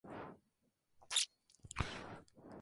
No fue hasta el noveno grado cuando comenzó a jugar a baloncesto.